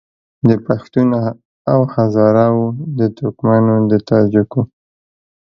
د پښتون او هزاره وو د ترکمنو د تاجکو